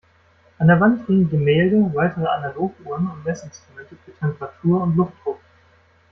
An der Wand hingen Gemälde, weitere Analoguhren und Messinstrumente für Temperatur und Luftdruck.